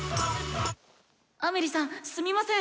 「アメリさんすみません！